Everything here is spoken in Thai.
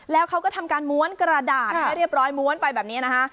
แล้วเขาก็ทำการม้วนกระดาษให้เรียบร้อยม้วนไปแบบนี้นะคะ